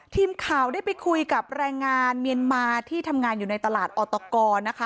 ทีมข่าวได้ไปคุยกับแรงงานเมียนมาที่ทำงานอยู่ในตลาดออตกรนะคะ